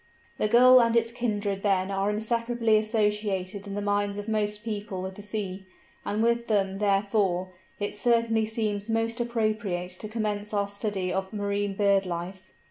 The Gull and its kindred then are inseparably associated in the minds of most people with the sea, and with them, therefore, it certainly seems most appropriate to commence our study of marine bird life.